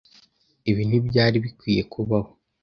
Ibi ntibyari bikwiye kubaho.